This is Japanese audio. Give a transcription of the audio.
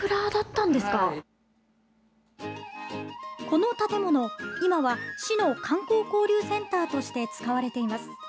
この建物今は市の観光交流センターとして使われています。